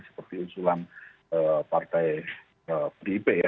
seperti usulan partai pdip ya